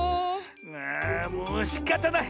ああもうしかたない！